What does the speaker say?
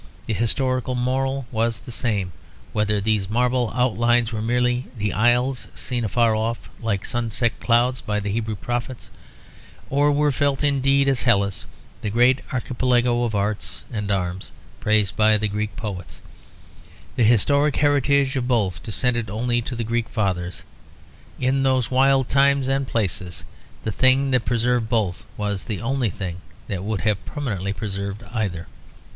The historical moral was the same whether these marble outlines were merely "the isles" seen afar off like sunset clouds by the Hebrew prophets, or were felt indeed as Hellas, the great archipelago of arts and arms praised by the Greek poets; the historic heritage of both descended only to the Greek Fathers. In those wild times and places, the thing that preserved both was the only thing that would have permanently preserved either.